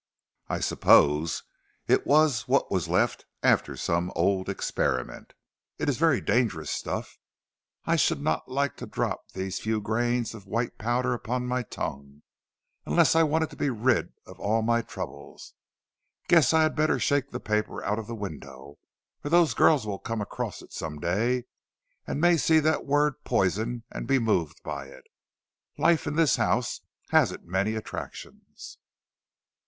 "I suppose it was what was left after some old experiment. It is very dangerous stuff. I should not like to drop these few grains of white powder upon my tongue, unless I wanted to be rid of all my troubles. Guess I had better shake the paper out of the window, or those girls will come across it some day, and may see that word Poison and be moved by it. Life in this house hasn't many attractions."